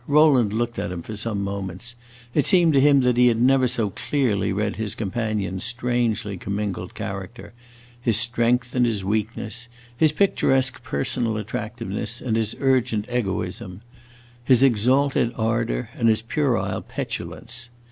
Rowland looked at him for some moments; it seemed to him that he had never so clearly read his companion's strangely commingled character his strength and his weakness, his picturesque personal attractiveness and his urgent egoism, his exalted ardor and his puerile petulance.